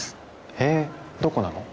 へぇどこなの？